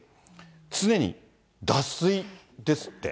常に脱水ですって。